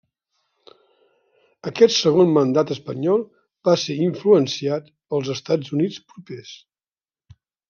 Aquest segon mandat espanyol va ser influenciat pels Estats Units propers.